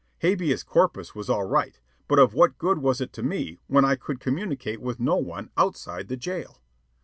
Habeas corpus was all right, but of what good was it to me when I could communicate with no one outside the jail?